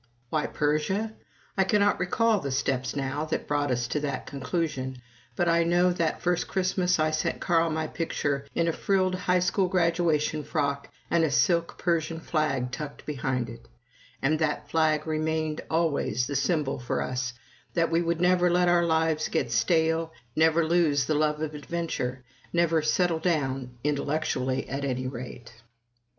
Why Persia? I cannot recall the steps now that brought us to that conclusion. But I know that first Christmas I sent Carl my picture in a frilled high school graduation frock and a silk Persian flag tucked behind it, and that flag remained always the symbol for us that we would never let our lives get stale, never lose the love of adventure, never "settle down," intellectually at any rate.